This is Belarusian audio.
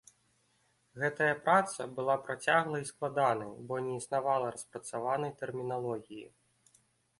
Гэтая праца была працяглай і складанай, бо не існавала распрацаванай тэрміналогіі.